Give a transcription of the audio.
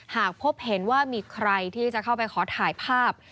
หากพบเห็นว่ามีใครที่จะเข้าไปขอถ่ายภาพ